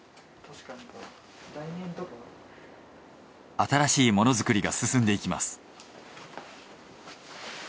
新しいものづくりが進んでいきます。